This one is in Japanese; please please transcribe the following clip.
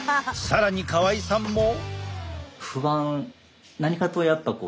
更に河合さんも。